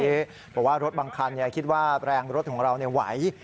เพราะว่ารถบางคันคิดว่าแรงรถของเราไหว